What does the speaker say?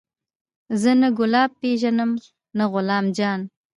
زه نه ګلاب پېژنم نه غلام جان.